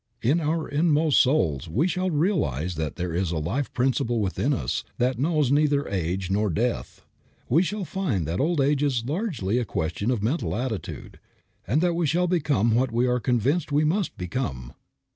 In our inmost souls we shall realize that there is a life principle within us that knows neither age nor death. We shall find that old age is largely a question of mental attitude, and that we shall become what we are convinced we must become.